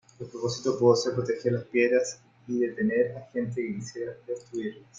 El propósito pudo ser proteger las piedras y detener a gente que quisiera destruirlas.